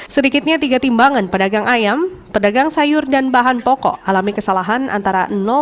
sedikitnya tiga timbangan pedagang ayam pedagang sayur dan bahan pokok alami kesalahan antara